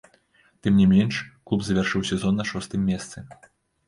Тым не менш, клуб завяршыў сезон на шостым месцы.